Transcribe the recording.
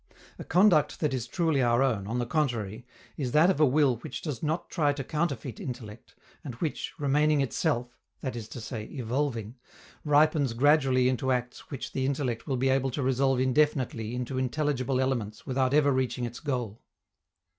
A conduct that is truly our own, on the contrary, is that of a will which does not try to counterfeit intellect, and which, remaining itself that is to say, evolving ripens gradually into acts which the intellect will be able to resolve indefinitely into intelligible elements without ever reaching its goal.